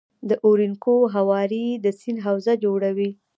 د اورینوکو هوارې د سیند حوزه جوړوي.